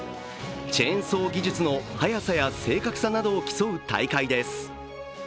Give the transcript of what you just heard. チェーンソー技術の速さや正確さなどを競う大会です。